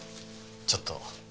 ちょっと。